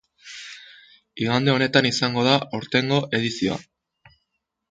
Igande honetan izango da aurtengo edizioa.